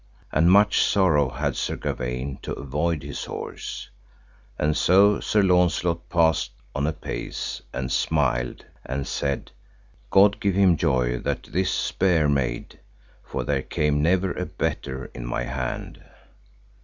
And much sorrow had Sir Gawaine to avoid his horse, and so Sir Launcelot passed on a pace and smiled, and said, God give him joy that this spear made, for there came never a better in my hand.